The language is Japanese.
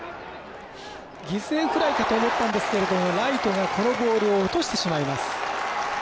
犠牲フライかと思ったんですけれどもライトが、このボールを落としてしまいます。